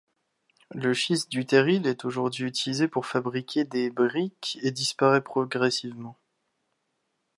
Le schiste du terril est aujourd'hui utilisé pour fabriquer des briques et disparaît progressivement.